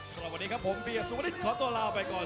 สำหรับวันนี้ครับผมเฮียสุวริตขอตัวลาไปก่อน